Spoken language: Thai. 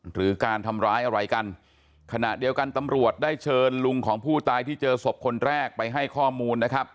หรือการทำร้ายอะไรกันขณะเดียวกันตำรวจได้เชิญลุงของผู้ตายที่เจอศพคนแรกไปให้ข้อมูลนะครับ